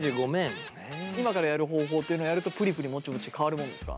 今からやる方法っていうのをやるとプリプリもちもち変わるもんですか？